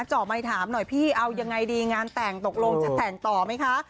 เจาะไมค์ถามหน่อยพี่เอายังไงดีงานแต่งตกลงจะแต่งต่อไหมคะ